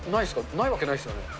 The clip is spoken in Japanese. ないわけないですよね。